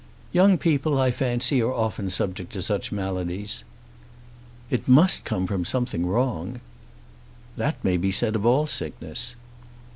"Young people, I fancy, are often subject to such maladies." "It must come from something wrong." "That may be said of all sickness."